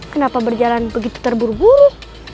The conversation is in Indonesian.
kenapa berjalan begitu terburu buru